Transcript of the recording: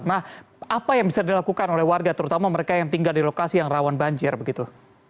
nah apa yang bisa dilakukan oleh warga terutama mereka yang tinggal di lokasi yang rawan banjir begitu